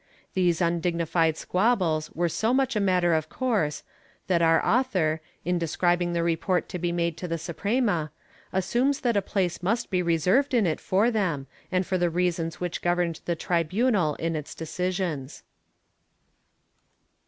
These undignified squabbles were so much a matter of course that our author, in describing the report to be made to the Suprema, assumes that a place must be reserved in it for them, and for the reasons which governed the tribunal in its decisions.